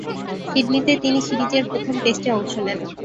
সিডনিতে তিনি সিরিজের প্রথম টেস্টে অংশ নেন।